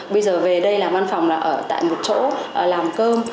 bây giờ về đây làm văn phòng là ở tại một chỗ làm cơm